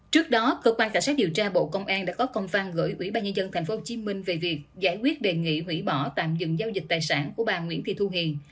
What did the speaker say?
trước đó cơ quan cảnh sát điều tra bộ công an đã có công phan gửi quỹ ba nhân dân tp hcm về việc giải quyết đề nghị hủy bỏ tạm dừng giao dịch tài sản của bà nguyễn thị thu hiền